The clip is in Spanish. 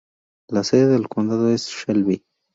La sede del condado es Shelby.